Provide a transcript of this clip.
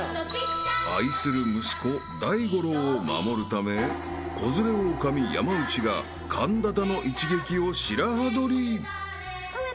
［愛する息子大五郎を守るため子連れ狼山内がカンダタの一撃を白刃取り］